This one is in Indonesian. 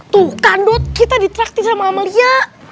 tuh kan dot kita ditraktir sama amalia